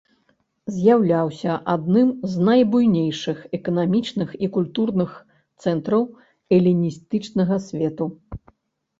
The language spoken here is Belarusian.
З'яўляўся адным з найбуйнейшых эканамічных і культурных цэнтраў эліністычнага свету.